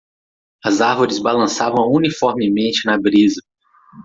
As árvores balançavam uniformemente na brisa.